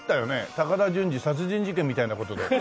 『高田純次殺人事件』みたいな事で。